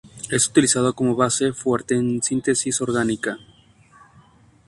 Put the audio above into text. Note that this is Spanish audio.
Es utilizado como base fuerte en síntesis orgánica.